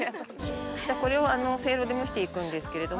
これをせいろで蒸していくんですけれども。